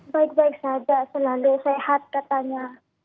baik baik saja senandu sehat katanya